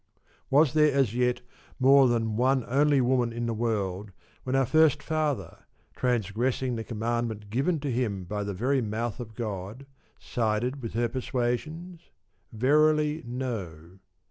Was there as yet more than one only woman in the world, when our first father (transgressing the commandment given to him by the very mouth of God) sided with her persuasions ? Verily, no.